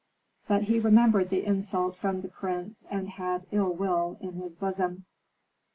But he remembered the insult from the prince and hid ill will in his bosom.